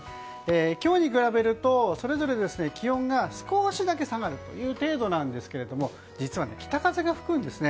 今日に比べるとそれぞれ気温が少しだけ下がる程度ですが実は北風が吹くんですね。